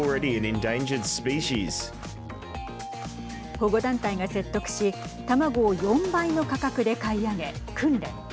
保護団体が説得し卵を４倍の価格で買い上げ訓練。